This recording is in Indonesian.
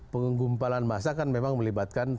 penggumpalan masa kan memang melibatkan